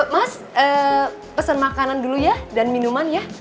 mas pesan makanan dulu ya dan minuman ya